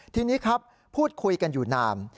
ทีนี้ครับพูดคุยกันอยู่นาน